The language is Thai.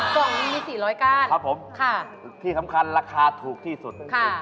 ของมี๔๐๐ก้านค่ะครับผมที่ทำคัญราคาถูกที่สุด